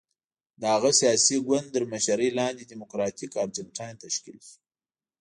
د هغه سیاسي ګوند تر مشرۍ لاندې ډیموکراتیک ارجنټاین تشکیل شو.